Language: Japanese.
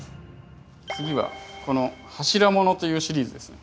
次はこの柱物というシリーズですね。